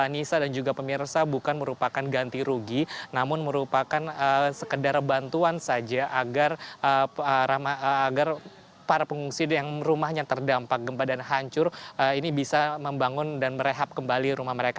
nisa dan juga pemirsa bukan merupakan ganti rugi namun merupakan sekedar bantuan saja agar para pengungsi yang rumahnya terdampak gempa dan hancur ini bisa membangun dan merehab kembali rumah mereka